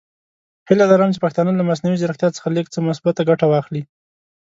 هیله لرم چې پښتانه له مصنوعي زیرکتیا څخه لږ څه مثبته ګټه واخلي.